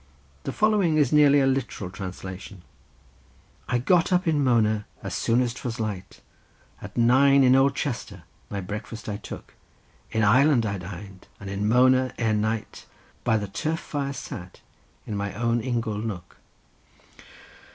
The following is nearly a literal translation:— "I got up in Mona as soon as 'twas light, At nine in old Chester my breakfast I took; In Ireland I dined, and in Mona, ere night, By the turf fire sat, in my own ingle nook."